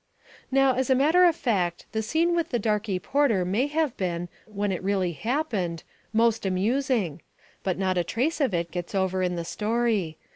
Now, as a matter of fact, the scene with the darky porter may have been, when it really happened, most amusing. But not a trace of it gets over in the story.